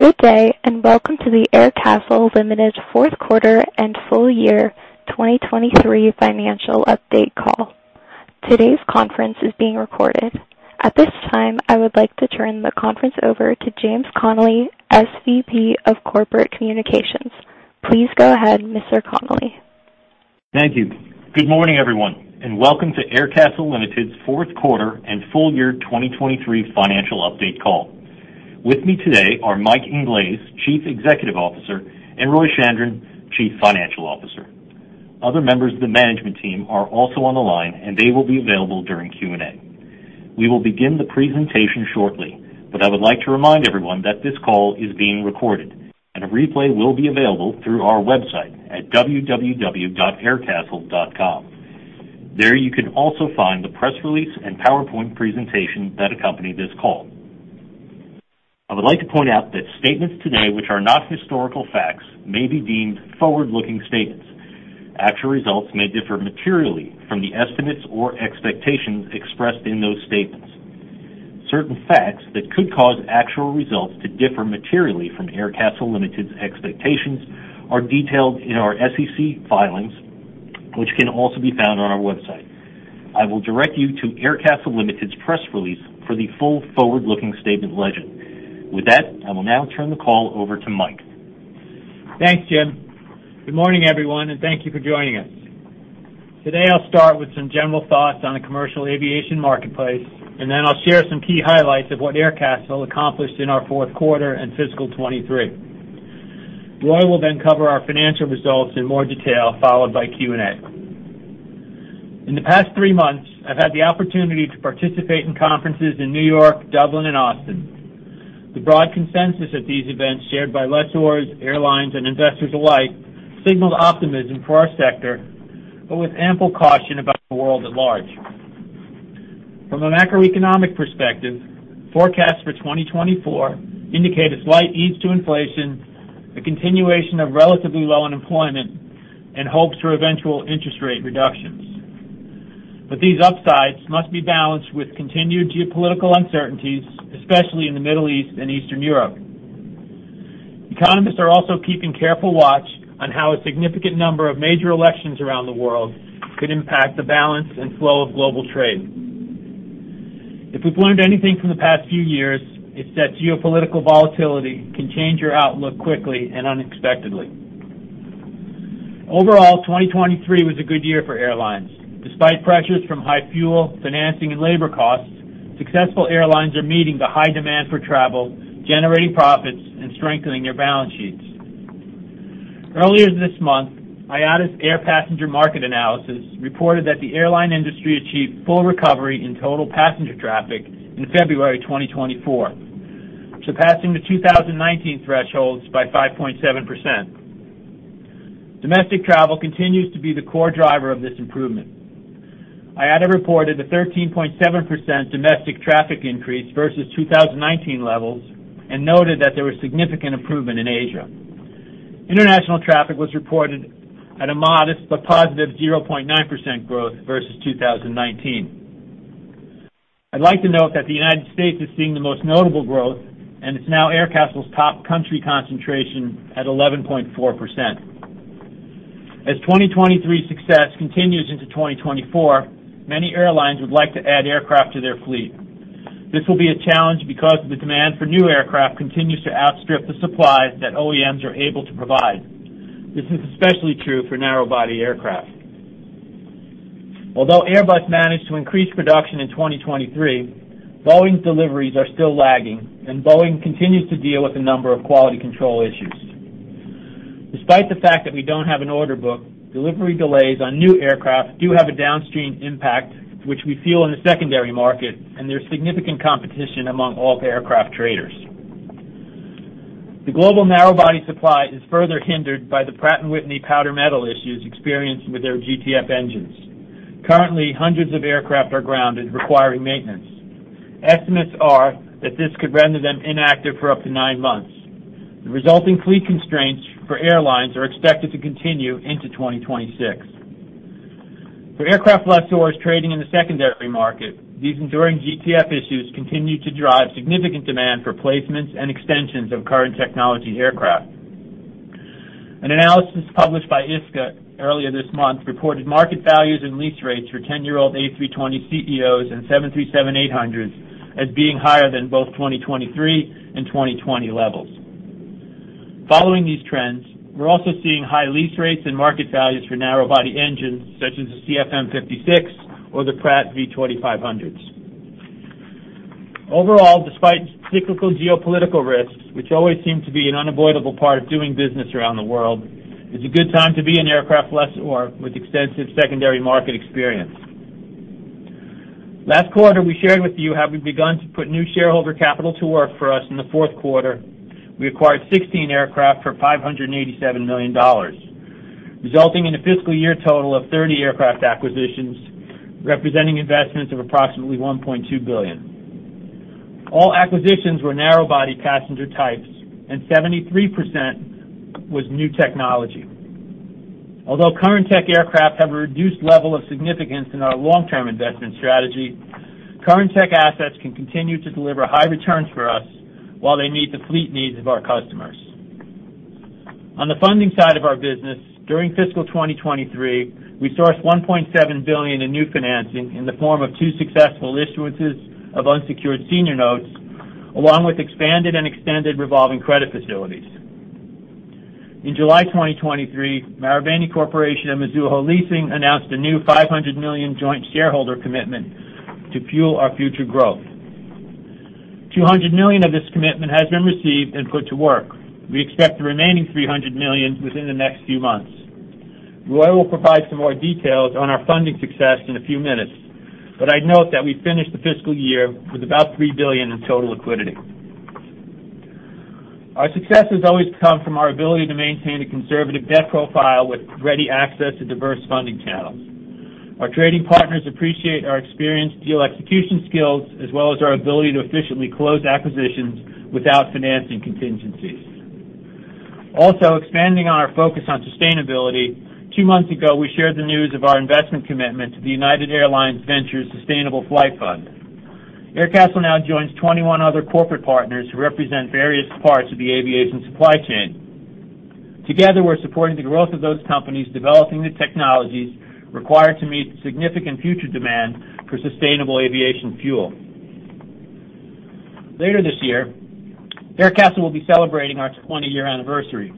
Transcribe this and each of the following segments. Good day and welcome to the Aircastle Limited fourth quarter and full year 2023 financial update call. Today's conference is being recorded. At this time, I would like to turn the conference over to James Connelly, SVP of Corporate Communications. Please go ahead, Mr. Connelly. Thank you. Good morning, everyone, and welcome to Aircastle Limited's fourth quarter and full year 2023 financial update call. With me today are Mike Inglese, Chief Executive Officer, and Roy Chandran, Chief Financial Officer. Other members of the management team are also on the line, and they will be available during Q&A. We will begin the presentation shortly, but I would like to remind everyone that this call is being recorded and a replay will be available through our website at www.aircastle.com. There you can also find the press release and PowerPoint presentation that accompany this call. I would like to point out that statements today which are not historical facts may be deemed forward-looking statements. Actual results may differ materially from the estimates or expectations expressed in those statements. Certain facts that could cause actual results to differ materially from Aircastle Limited's expectations are detailed in our SEC filings, which can also be found on our website. I will direct you to Aircastle Limited's press release for the full forward-looking statement legend. With that, I will now turn the call over to Mike. Thanks, Jim. Good morning, everyone, and thank you for joining us. Today I'll start with some general thoughts on the commercial aviation marketplace, and then I'll share some key highlights of what Aircastle accomplished in our fourth quarter and fiscal 2023. Roy will then cover our financial results in more detail, followed by Q&A. In the past three months, I've had the opportunity to participate in conferences in New York, Dublin, and Austin. The broad consensus at these events shared by lessors, airlines, and investors alike signaled optimism for our sector, but with ample caution about the world at large. From a macroeconomic perspective, forecasts for 2024 indicate a slight ease to inflation, a continuation of relatively low unemployment, and hopes for eventual interest rate reductions. But these upsides must be balanced with continued geopolitical uncertainties, especially in the Middle East and Eastern Europe. Economists are also keeping careful watch on how a significant number of major elections around the world could impact the balance and flow of global trade. If we've learned anything from the past few years, it's that geopolitical volatility can change your outlook quickly and unexpectedly. Overall, 2023 was a good year for airlines. Despite pressures from high fuel, financing, and labor costs, successful airlines are meeting the high demand for travel, generating profits, and strengthening their balance sheets. Earlier this month, IATA's air passenger market analysis reported that the airline industry achieved full recovery in total passenger traffic in February 2024, surpassing the 2019 thresholds by 5.7%. Domestic travel continues to be the core driver of this improvement. IATA reported a 13.7% domestic traffic increase versus 2019 levels and noted that there was significant improvement in Asia. International traffic was reported at a modest but positive 0.9% growth versus 2019. I'd like to note that the United States is seeing the most notable growth, and it's now Aircastle's top country concentration at 11.4%. As 2023's success continues into 2024, many airlines would like to add aircraft to their fleet. This will be a challenge because the demand for new aircraft continues to outstrip the supply that OEMs are able to provide. This is especially true for narrowbody aircraft. Although Airbus managed to increase production in 2023, Boeing's deliveries are still lagging, and Boeing continues to deal with a number of quality control issues. Despite the fact that we don't have an order book, delivery delays on new aircraft do have a downstream impact, which we feel in the secondary market, and there's significant competition among all aircraft traders. The global narrowbody supply is further hindered by the Pratt & Whitney powder-metal issues experienced with their GTF engines. Currently, hundreds of aircraft are grounded, requiring maintenance. Estimates are that this could render them inactive for up to nine months. The resulting fleet constraints for airlines are expected to continue into 2026. For aircraft lessors trading in the secondary market, these enduring GTF issues continue to drive significant demand for placements and extensions of current technology aircraft. An analysis published by Ishka earlier this month reported market values and lease rates for 10-year-old A320ceos and 737-800s as being higher than both 2023 and 2020 levels. Following these trends, we're also seeing high lease rates and market values for narrowbody engines such as the CFM56 or the Pratt V2500s. Overall, despite cyclical geopolitical risks, which always seem to be an unavoidable part of doing business around the world, it's a good time to be an aircraft lessor with extensive secondary market experience. Last quarter, we shared with you how we began to put new shareholder capital to work for us in the fourth quarter. We acquired 16 aircraft for $587 million, resulting in a fiscal year total of 30 aircraft acquisitions representing investments of approximately $1.2 billion. All acquisitions were narrowbody passenger types, and 73% was new technology. Although current-tech aircraft have a reduced level of significance in our long-term investment strategy, current-tech assets can continue to deliver high returns for us while they meet the fleet needs of our customers. On the funding side of our business, during fiscal 2023, we sourced $1.7 billion in new financing in the form of two successful issuances of unsecured senior notes, along with expanded and extended revolving credit facilities. In July 2023, Marubeni Corporation and Mizuho Leasing announced a new $500 million joint shareholder commitment to fuel our future growth. $200 million of this commitment has been received and put to work. We expect the remaining $300 million within the next few months. Roy will provide some more details on our funding success in a few minutes, but I'd note that we finished the fiscal year with about $3 billion in total liquidity. Our success has always come from our ability to maintain a conservative debt profile with ready access to diverse funding channels. Our trading partners appreciate our experienced deal execution skills as well as our ability to efficiently close acquisitions without financing contingencies. Also, expanding on our focus on sustainability, two months ago, we shared the news of our investment commitment to the United Airlines Ventures Sustainable Flight Fund. Aircastle now joins 21 other corporate partners who represent various parts of the aviation supply chain. Together, we're supporting the growth of those companies developing the technologies required to meet significant future demand for sustainable aviation fuel. Later this year, Aircastle will be celebrating our 20-year anniversary.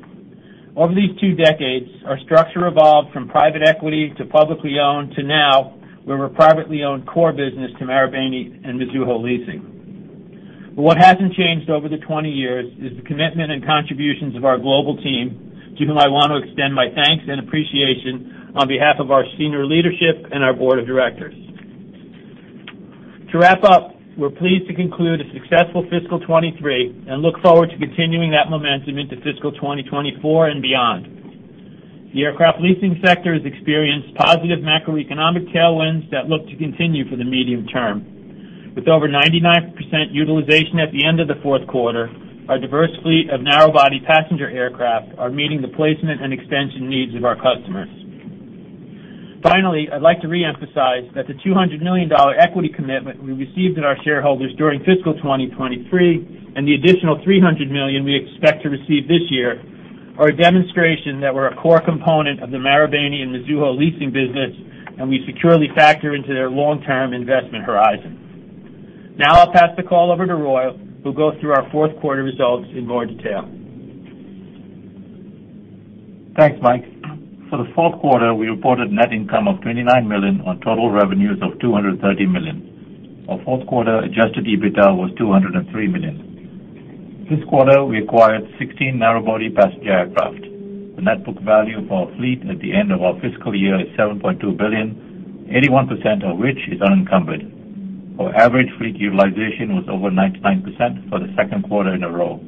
Over these two decades, our structure evolved from private equity to publicly owned to now where we're privately owned core business to Marubeni and Mizuho Leasing. But what hasn't changed over the 20 years is the commitment and contributions of our global team, to whom I want to extend my thanks and appreciation on behalf of our senior leadership and our board of directors. To wrap up, we're pleased to conclude a successful fiscal 2023 and look forward to continuing that momentum into fiscal 2024 and beyond. The aircraft leasing sector has experienced positive macroeconomic tailwinds that look to continue for the medium term. With over 99% utilization at the end of the fourth quarter, our diverse fleet of narrowbody passenger aircraft are meeting the placement and extension needs of our customers. Finally, I'd like to reemphasize that the $200 million equity commitment we received from our shareholders during fiscal 2023 and the additional $300 million we expect to receive this year are a demonstration that we're a core component of the Marubeni and Mizuho Leasing business, and we securely factor into their long-term investment horizon. Now I'll pass the call over to Roy, who'll go through our fourth quarter results in more detail. Thanks, Mike. For the fourth quarter, we reported a net income of $29 million on total revenues of $230 million. Our fourth quarter adjusted EBITDA was $203 million. This quarter, we acquired 16 narrowbody passenger aircraft. The net book value of our fleet at the end of our fiscal year is $7.2 billion, 81% of which is unencumbered. Our average fleet utilization was over 99% for the second quarter in a row.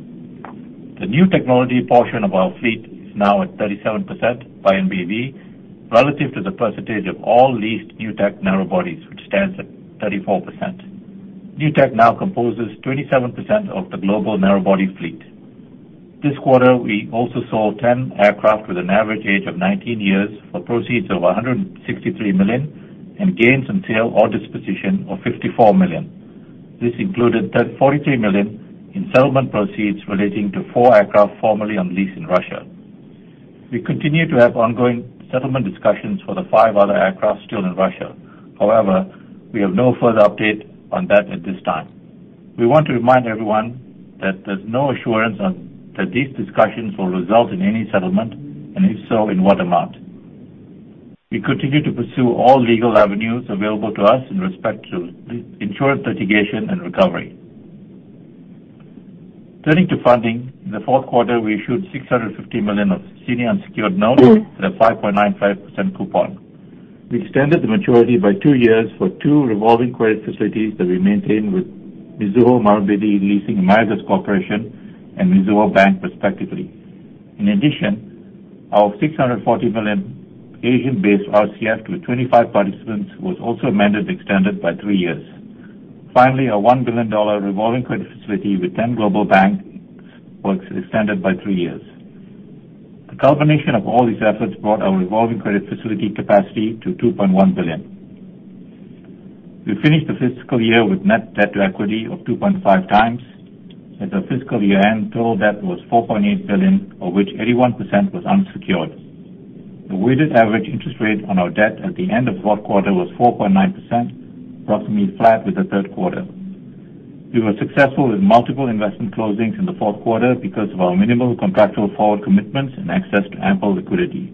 The new technology portion of our fleet is now at 37% by NBV relative to the percentage of all leased new-tech narrowbodies, which stands at 34%. New-tech now composes 27% of the global narrowbody fleet. This quarter, we also sold 10 aircraft with an average age of 19 years for proceeds of $163 million and gained some sale or disposition of $54 million. This included $43 million in settlement proceeds relating to four aircraft formerly on lease in Russia. We continue to have ongoing settlement discussions for the five other aircraft still in Russia. However, we have no further update on that at this time. We want to remind everyone that there's no assurance that these discussions will result in any settlement, and if so, in what amount. We continue to pursue all legal avenues available to us in respect to insurance litigation and recovery. Turning to funding, in the fourth quarter, we issued $650 million of senior unsecured notes at a 5.95% coupon. We extended the maturity by two years for two revolving credit facilities that we maintain with Mizuho Marubeni Leasing and Meiji Yasuda Life Insurance Company and Mizuho Bank, respectively. In addition, our $640 million Asian-based RCF with 25 participants was also amended and extended by three years. Finally, our $1 billion revolving credit facility with 10 global banks was extended by 3 years. The culmination of all these efforts brought our revolving credit facility capacity to $2.1 billion. We finished the fiscal year with net debt to equity of 2.5 times. At the fiscal year-end, total debt was $4.8 billion, of which 81% was unsecured. The weighted average interest rate on our debt at the end of the fourth quarter was 4.9%, approximately flat with the third quarter. We were successful with multiple investment closings in the fourth quarter because of our minimal contractual forward commitments and access to ample liquidity.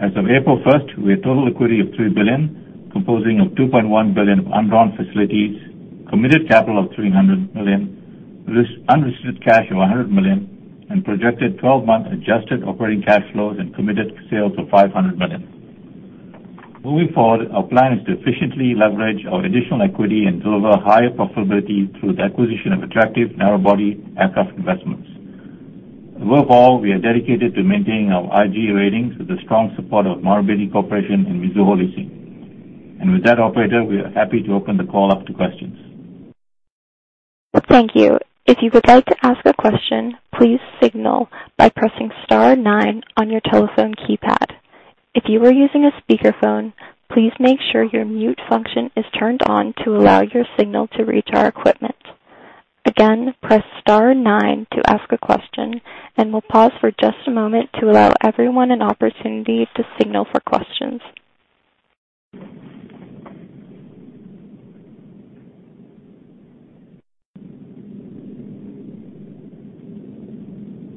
As of April 1st, we had total liquidity of $3 billion, comprising $2.1 billion of undrawn facilities, committed capital of $300 million, unrestricted cash of $100 million, and projected 12-month adjusted operating cash flows and committed sales of $500 million. Moving forward, our plan is to efficiently leverage our additional equity and deliver higher profitability through the acquisition of attractive narrowbody aircraft investments. Above all, we are dedicated to maintaining our IG ratings with the strong support of Marubeni Corporation and Mizuho Leasing. With that operator, we are happy to open the call up to questions. Thank you. If you would like to ask a question, please signal by pressing star 9 on your telephone keypad. If you are using a speakerphone, please make sure your mute function is turned on to allow your signal to reach our equipment. Again, press star 9 to ask a question, and we'll pause for just a moment to allow everyone an opportunity to signal for questions.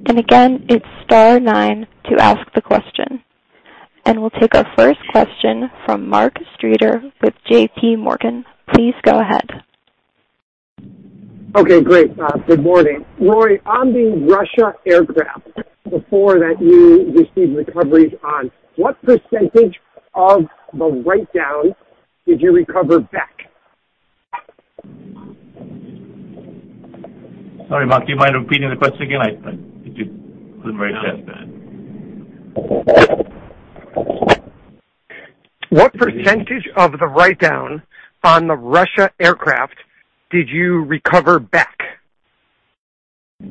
And again, it's star 9 to ask the question. And we'll take our first question from Mark Streeter with J.P. Morgan. Please go ahead. Okay, great. Good morning. Roy, on the Russia aircraft before that you received recoveries on, what percentage of the write-down did you recover back? Sorry, Mark. Do you mind repeating the question again? I didn't hear very clearly. What percentage of the write-down on the Russia aircraft did you recover back? We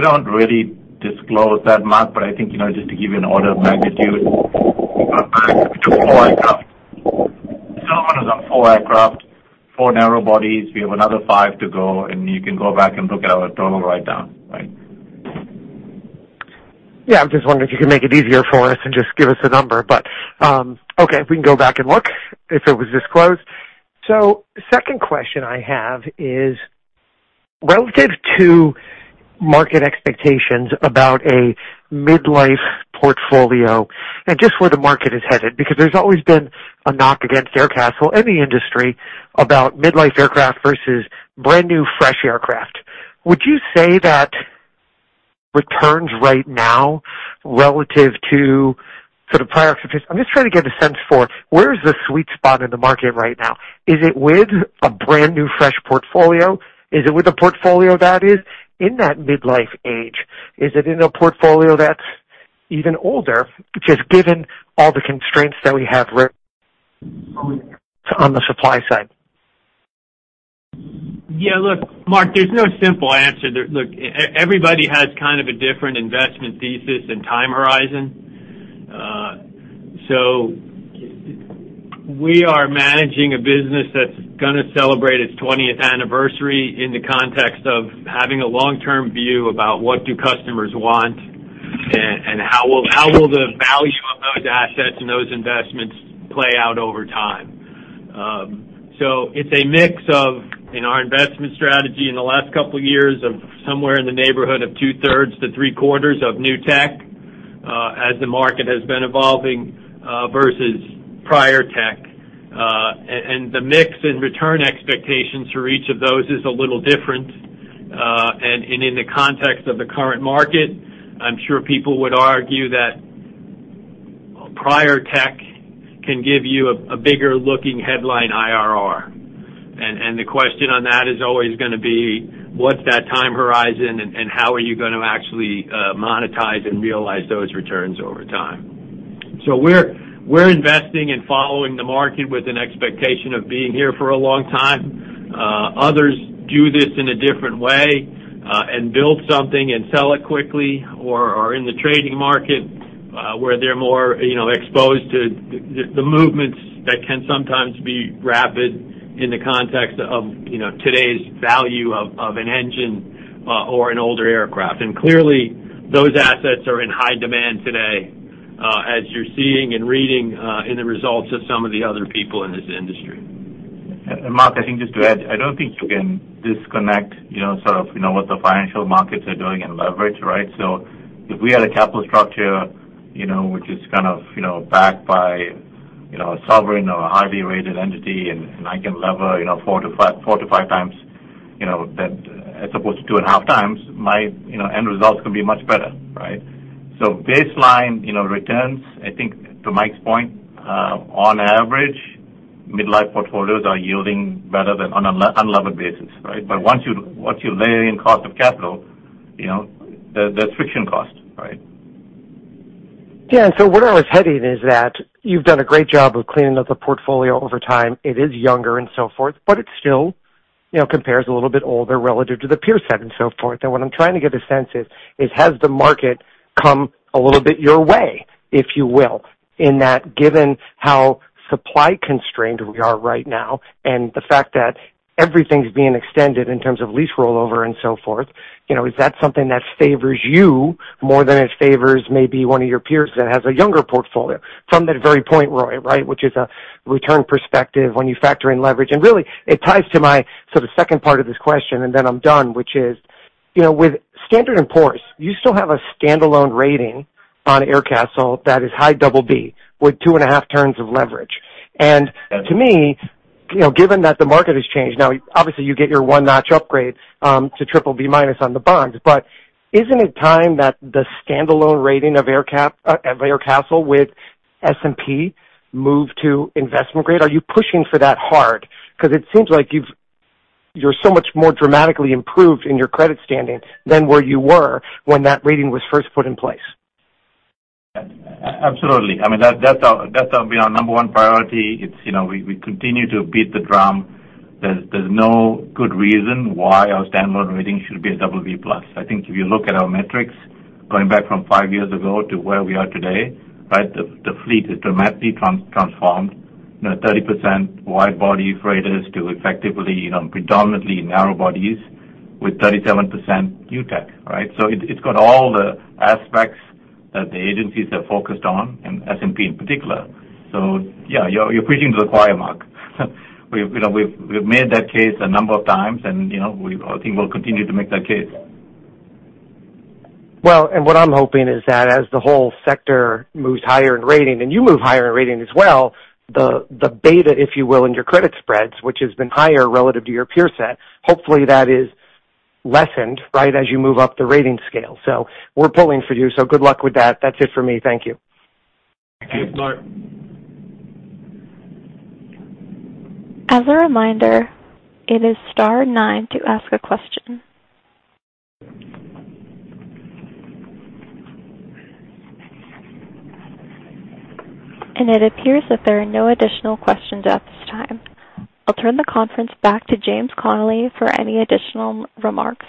don't really disclose that, Mark, but I think just to give you an order of magnitude, we got back we took 4 aircraft. The settlement was on 4 aircraft, 4 narrowbodies. We have another 5 to go, and you can go back and look at our total write-down, right? Yeah. I'm just wondering if you could make it easier for us and just give us a number. But okay, if we can go back and look if it was disclosed. So second question I have is relative to market expectations about a midlife portfolio and just where the market is headed because there's always been a knock against Aircastle and the industry about midlife aircraft versus brand new, fresh aircraft. Would you say that returns right now relative to sort of prior I'm just trying to get a sense for where's the sweet spot in the market right now? Is it with a brand new, fresh portfolio? Is it with a portfolio that is in that midlife age? Is it in a portfolio that's even older just given all the constraints that we have on the supply side? Yeah. Look, Mark, there's no simple answer. Look, everybody has kind of a different investment thesis and time horizon. So we are managing a business that's going to celebrate its 20th anniversary in the context of having a long-term view about what do customers want and how will the value of those assets and those investments play out over time? So it's a mix of in our investment strategy in the last couple of years of somewhere in the neighborhood of 2/3-3/4 of new tech as the market has been evolving versus prior tech. And the mix and return expectations for each of those is a little different. And in the context of the current market, I'm sure people would argue that prior tech can give you a bigger-looking headline IRR. And the question on that is always going to be, what's that time horizon, and how are you going to actually monetize and realize those returns over time? So we're investing and following the market with an expectation of being here for a long time. Others do this in a different way and build something and sell it quickly or are in the trading market where they're more exposed to the movements that can sometimes be rapid in the context of today's value of an engine or an older aircraft. And clearly, those assets are in high demand today as you're seeing and reading in the results of some of the other people in this industry. Mark, I think just to add, I don't think you can disconnect sort of what the financial markets are doing and leverage, right? So if we had a capital structure which is kind of backed by a sovereign or a highly rated entity, and I can lever 4-5 times as opposed to 2.5 times, my end results can be much better, right? So baseline returns, I think to Mike's point, on average, midlife portfolios are yielding better than on an unlevered basis, right? But once you layer in cost of capital, there's friction cost, right? Yeah. And so where I was heading is that you've done a great job of cleaning up the portfolio over time. It is younger and so forth, but it still compares a little bit older relative to the peer set and so forth. And what I'm trying to get a sense is, has the market come a little bit your way, if you will, in that given how supply-constrained we are right now and the fact that everything's being extended in terms of lease rollover and so forth, is that something that favors you more than it favors maybe one of your peers that has a younger portfolio? From that very point, Roy, right, which is a return perspective when you factor in leverage. And really, it ties to my sort of second part of this question, and then I'm done, which is with Standard & Poor's, you still have a standalone rating on Aircastle that is high double B with two and a half turns of leverage. And to me, given that the market has changed now, obviously, you get your one-notch upgrade to triple B minus on the bonds. But isn't it time that the standalone rating of Aircastle with S&P move to investment grade? Are you pushing for that hard? Because it seems like you're so much more dramatically improved in your credit standing than where you were when that rating was first put in place. Absolutely. I mean, that's going to be our number one priority. We continue to beat the drum. There's no good reason why our standalone rating should be a double B plus. I think if you look at our metrics going back from 5 years ago to where we are today, right, the fleet has dramatically transformed from 30% widebody freighters to effectively predominantly narrowbodies with 37% new tech, right? So yeah, you're preaching to the choir, Mark. We've made that case a number of times, and I think we'll continue to make that case. Well, and what I'm hoping is that as the whole sector moves higher in rating and you move higher in rating as well, the beta, if you will, in your credit spreads, which has been higher relative to your peer set, hopefully, that is lessened, right, as you move up the rating scale. So we're pulling for you. So good luck with that. That's it for me. Thank you. Thank you, Mark. As a reminder, it is star nine to ask a question. It appears that there are no additional questions at this time. I'll turn the conference back to James Connelly for any additional remarks.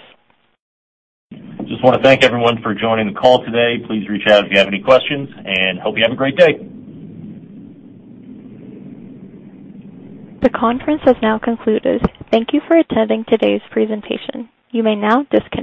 I just want to thank everyone for joining the call today. Please reach out if you have any questions, and hope you have a great day. The conference has now concluded. Thank you for attending today's presentation. You may now disconnect.